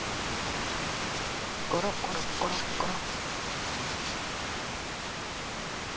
ゴロゴロゴロゴロ。